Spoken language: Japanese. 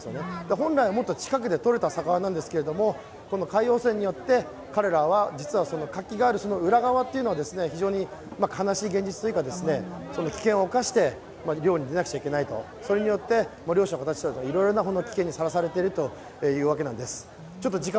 本来はもっと近くでとれた魚なんですけれども、海洋汚染によって彼らは実は活気がある裏側っていうのを悲しい現実というか危険を冒して漁に出なくちゃいけないとそれによって漁師の方たちはいろいろな危険にさらされているわけなんです。